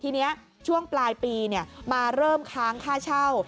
ทีนี้ช่วงปลายปีมาเริ่มค้างค่าเช่า